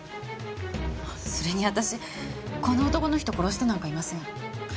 それに私この男の人殺してなんかいません。